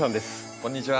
こんにちは。